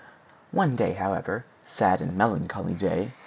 One day, however—sad and melancholy day!